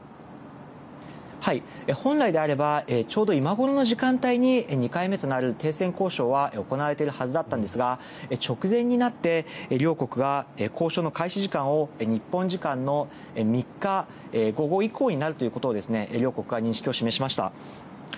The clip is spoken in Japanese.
本来であればちょうど今頃の時間帯に２回目となる停戦交渉は行われているはずだったんですが直前になって両国が交渉の開始時間を日本時間の３日午後以降になるということを両国が認識を示しました。